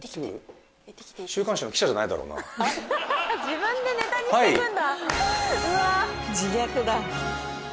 自分でネタにしてるんだ！